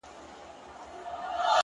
زلفـي را تاوي کړي پــر خپلـو اوږو ـ